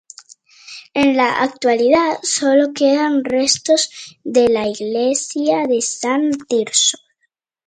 En la actualidad solo quedan restos de la iglesia de San Tirso.